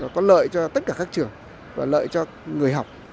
có lợi cho tất cả các trường và lợi cho người học